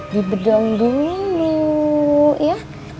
di bedong dulu ya